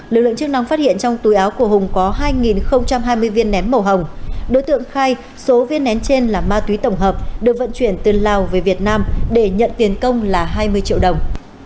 lực lượng chức năng phát hiện trong túi áo của hùng có hai hai mươi viên nén màu hồng đối tượng khai số viên nén trên là ma túy tổng hợp được vận chuyển từ lào về việt nam để nhận tiền công là hai mươi triệu đồng